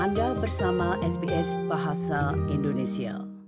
anda bersama sbs bahasa indonesia